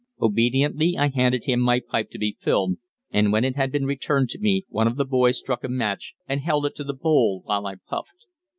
Obediently I handed him my pipe to be filled, and when it had been returned to me one of the boys struck a match and held it to the bowl while I puffed.